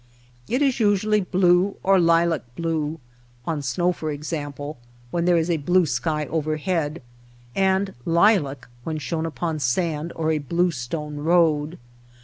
It is usually blue or lilac blue, on snow for ex ample, when there is a blue sky overhead ; and lilac when shown upon sand or a blue stone road.